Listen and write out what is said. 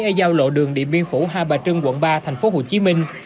ở giao lộ đường điện biên phủ hà bà trưng quận ba tp hcm